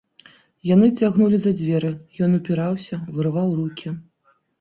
Яны цягнулі за дзверы, ён упіраўся, вырываў рукі.